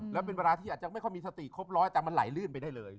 แล้วเป็นเวลาที่อาจจะไม่ค่อยมีสติครบร้อยแต่มันไหลลื่นไปได้เลย